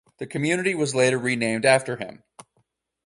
The community was later renamed after him.